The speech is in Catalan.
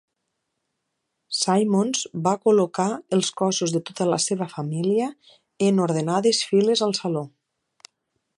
Simmons va col·locar els cossos de tota la seva família en ordenades files al saló.